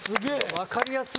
分かりやす！